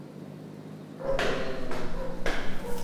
Catedral Nueva.